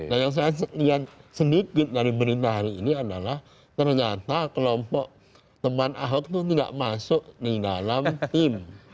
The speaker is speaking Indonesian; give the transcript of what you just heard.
nah yang saya lihat sedikit dari berita hari ini adalah ternyata kelompok teman ahok itu tidak masuk di dalam tim